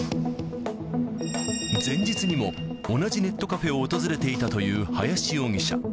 前日にも同じネットカフェを訪れていたという林容疑者。